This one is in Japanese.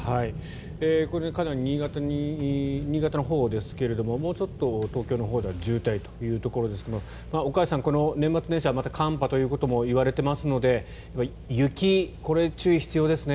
これはかなり新潟のほうですがもうちょっと東京のほうでは渋滞ということですが岡安さん、この年末年始は寒波ということも言われていますので雪、注意が必要ですね。